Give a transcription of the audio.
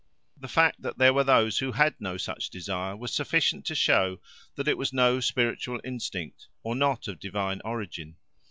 The fact that there were those who had no such desire was sufficient to show that it was no spiritual instinct or not of divine origin.